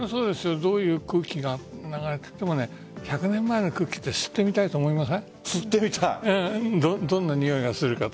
どういう空気が流れていてでも１００年前の空気吸ってみたいと思いません？